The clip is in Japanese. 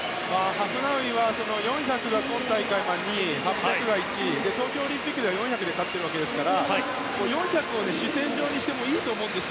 ハフナウイは４００ｍが今大会２位８００ｍは１位東京オリンピックでは４００ｍで勝っているわけですから４００ｍを主戦場にしてもいいと思うんです。